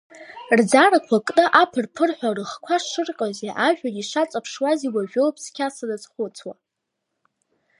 Рӡарақәа кны, аԥыр-ԥырҳәа рыхқәа шырҟьози, ажәҩан ишаҵаԥшуази уажәоуп цқьа саназхәыцуа…